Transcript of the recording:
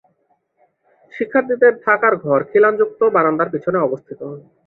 শিক্ষার্থীদের থাকার ঘর খিলানযুক্ত বারান্দার পিছনে অবস্থিত।